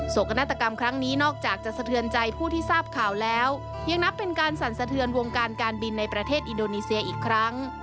กนาฏกรรมครั้งนี้นอกจากจะสะเทือนใจผู้ที่ทราบข่าวแล้วยังนับเป็นการสั่นสะเทือนวงการการบินในประเทศอินโดนีเซียอีกครั้ง